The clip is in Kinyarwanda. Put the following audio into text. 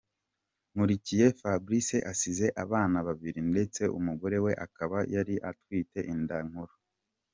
Nkurikiye Fabrice asize abana babiri ndetse umugore we akaba yari anatwite inda nkuru.